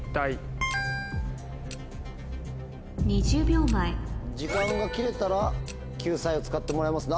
２０秒前時間が切れたら救済を使ってもらいますので。